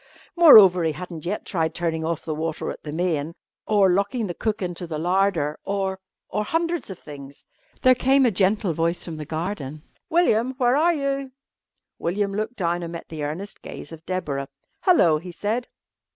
Moreover, he hadn't yet tried turning off the water at the main, or locking the cook into the larder, or or hundreds of things. There came a gentle voice from the garden. "William, where are you?" William looked down and met the earnest gaze of Deborah. "Hello," he said.